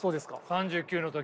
３９の時。